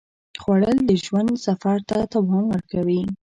خوړل د ژوند سفر ته توان ورکوي